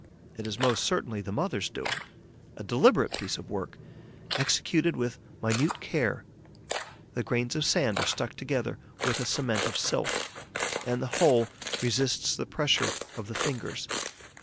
It is most certainly the mother's doing, a deliberate piece of work, executed with minute care. The grains of sand are stuck together with a cement of silk; and the whole resists the pressure of the fingers.